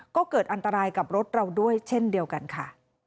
ก็เกิดอันตรายกับรถเราด้วยเช่นเดียวกันค่ะ